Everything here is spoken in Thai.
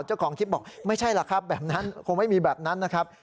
เจ้าของคลิปบอกไม่ใช่ล่ะครับแบบนั้นคงไม่มีแบบนั้นนะครับ